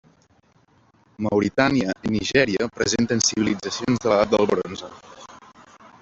Mauritània i Nigèria presenten civilitzacions de l'edat del bronze.